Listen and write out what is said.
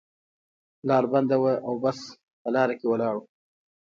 لاره بنده وه او بس په لار کې ولاړ و.